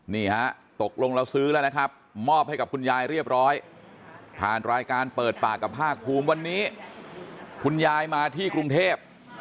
นี่ฮะตกลงเราซื้อแล้วนะครับมอบให้กับคุณยายเรียบร้อยผ่านรายการเปิดปากกับภาคภูมิวันนี้คุณยายมาที่กรุงเทพ